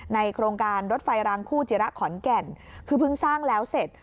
โครงการรถไฟรางคู่จิระขอนแก่นคือเพิ่งสร้างแล้วเสร็จ